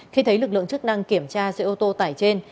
khi thấy lực lượng chức năng kiểm tra xe ô tô tải trên